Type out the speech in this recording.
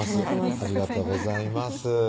ありがとうございます